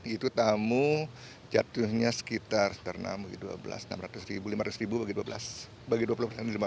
itu tamu jatuhnya sekitar enam belas lima ratus ribu bagi dua puluh persen